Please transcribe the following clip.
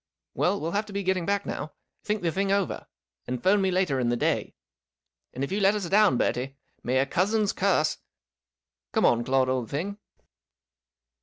Well, we '11 have to be getting back now. Think the thing over, and 'phone me later in the day. And, if you let us down, Bertie, may a cousin's curse Come on, Claude, old thing."